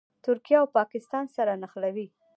ترکیه او پاکستان سره نښلوي.